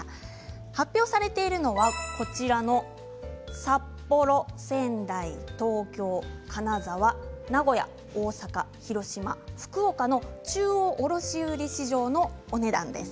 発表されているのは、こちらの札幌、仙台、金沢、東京、名古屋大阪、広島、福岡の中央卸売市場のお値段です。